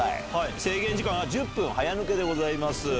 制限時間は１０分早抜けでございます。